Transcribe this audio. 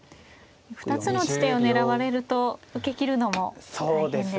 ２つの地点を狙われると受け切るのも大変ですか。